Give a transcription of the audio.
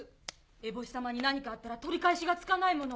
エボシ様に何かあったら取り返しがつかないもの。